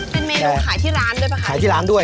เป็นเมนูขายที่ร้านด้วยป่ะคะขายที่ร้านด้วย